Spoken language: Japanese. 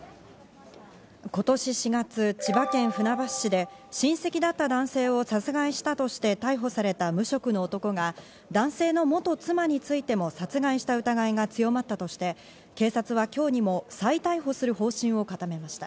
今年４月、千葉県船橋市で親戚だった男性を殺害したとして逮捕された無職の男が、男性の元妻についても殺害した疑いが強まったとして警察は今日にも再逮捕する方針を固めました。